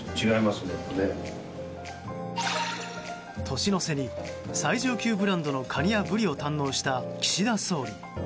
年の瀬に最上級ブランドのカニやブリを堪能した岸田総理。